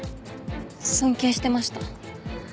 尊敬してました。